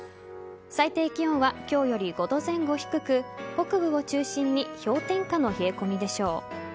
最低気温は今日より５度前後低く北部を中心に氷点下の冷え込みでしょう。